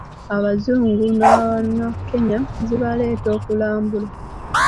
Abazungu n'Abanakenya zibaleeta okulambula.